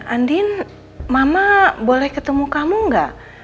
andin mama boleh ketemu kamu gak